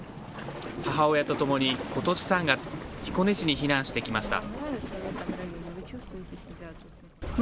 母親と共にことし３月、彦根市に避難してきました。